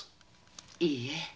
いいえ。